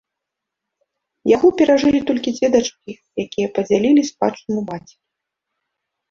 Яго перажылі толькі дзве дочкі, якія падзялілі спадчыну бацькі.